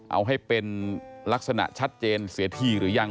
เอาให้เป็นลักษณะชัดเจนเสียทีหรือยัง